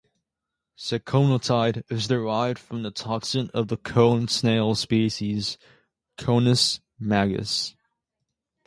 Ziconotide is derived from the toxin of the cone snail species "Conus magus".